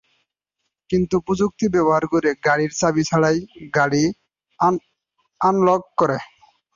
তিনি প্রযুক্তি ব্যবহার করে গাড়ির চাবি ছাড়াই গাড়ি আনলক করে!